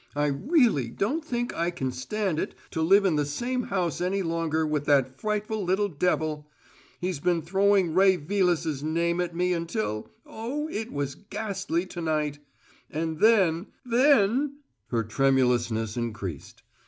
I really don't think I can stand it to live in the same house any longer with that frightful little devil. He's been throwing Ray Vilas's name at me until oh, it was ghastly to night! And then then " Her tremulousness increased.